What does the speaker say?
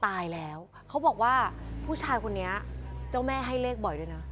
ตายแล้วเขาบอกว่าผู้ชายคนนี้เจ้าแม่ให้เลขบ่อยด้วยนะ